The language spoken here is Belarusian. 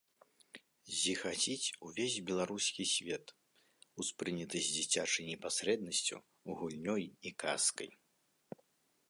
Зіхаціць увесь беларускі свет, успрыняты з дзіцячай непасрэднасцю, гульнёй і казкай.